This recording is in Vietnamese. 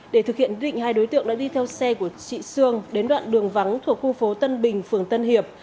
để thực hiện quyết định hai đối tượng đã đi theo xe của chị sương đến đoạn đường vắng thuộc khu phố tân bình phường tân hiệp